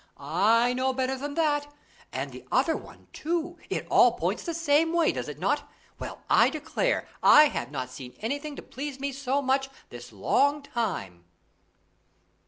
I know better than that. And the other one, too. It all points the same way, does it not? Well, I declare, I have not seen anything to please me so much this long time."